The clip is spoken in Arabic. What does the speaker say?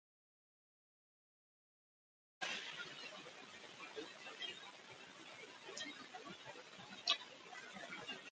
لا تضق ذرعا بخطب نازل